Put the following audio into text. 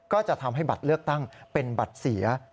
ก็จะทำให้บัตรเลือกตั้งเป็นบัตรเสีย